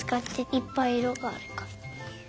いっぱいいろがあるから。